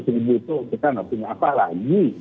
kita tidak punya apa lagi